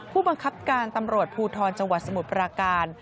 ผู้บังคับการตำรวจภูทรจังหวัดสมุทรปราการ